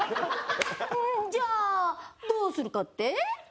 じゃあどうするかって？